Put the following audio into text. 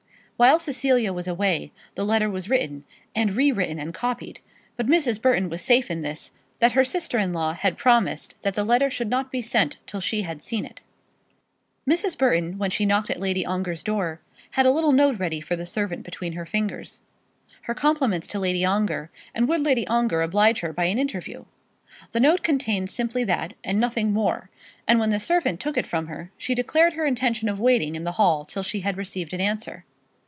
Whilst Cecilia was away, the letter was written, and re written and copied; but Mrs. Burton was safe in this, that her sister in law had promised that the letter should not be sent till she had seen it. Mrs. Burton, when she knocked at Lady Ongar's door, had a little note ready for the servant between her fingers. Her compliments to Lady Ongar, and would Lady Ongar oblige her by an interview. The note contained simply that, and nothing more; and when the servant took it from her, she declared her intention of waiting in the hall till she had received an answer.